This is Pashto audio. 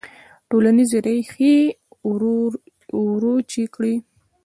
ټولنیزې ریښې وروچې کړي.